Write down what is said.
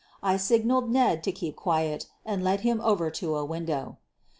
I signaled "Ned" to keep quiet and led him over to a window.